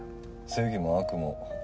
正義も悪も